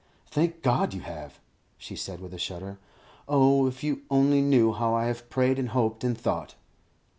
"Thank God, you have!" she said, with a shudder. "Oh, if you only knew how I have prayed and hoped and thought!"